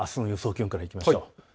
気温から見てみましょう。